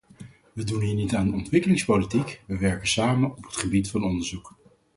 We doen hier niet aan ontwikkelingspolitiek, we werken samen op het gebied van onderzoek.